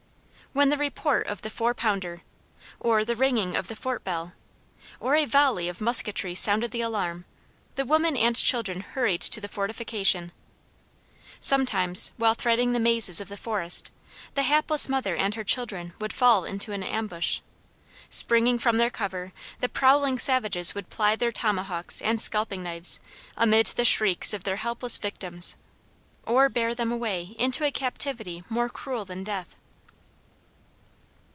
When the report of the four pounder, or the ringing of the fort bell, or a volley of musketry sounded the alarm, the women and children hurried to the fortification. Sometimes, while threading the mazes of the forest, the hapless mother and her children would fall into an ambush. Springing from their cover, the prowling savages would ply their tomahawks and scalping knives amid the shrieks of their helpless victims, or bear them away into a captivity more cruel than death.